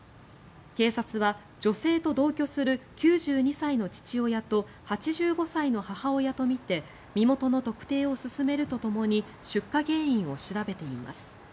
警察は女性と同居する９２歳の父親と８５歳の母親とみて身元の特定を進めるとともに出火原因を調べています。